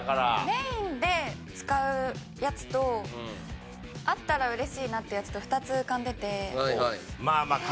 メインで使うやつとあったら嬉しいなってやつと２つ浮かんでて。